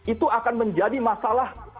itu akan menjadi masalah